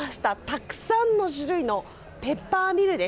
たくさんの種類のペッパーミル。